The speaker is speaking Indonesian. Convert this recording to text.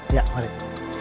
iya mari pak